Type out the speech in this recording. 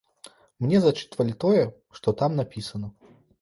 Мне зачытвалі тое, што там напісана.